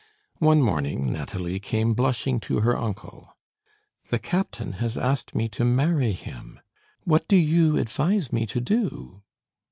One morning, Nathalie came blushing to her uncle. "The captain has asked me to marry him. What do you advise me to do?"